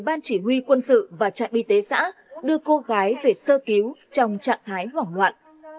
ban chỉ huy quân sự và trạm y tế xã đưa cô gái về sơ cứu trong trạng thái hoảng loạn